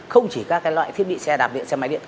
không chỉ các loại thiết bị xe đạp điện xe máy điện